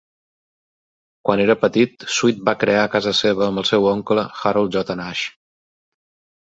Quan era petit, Sweet va crear casa seva amb el seu oncle, Harold J. Nash.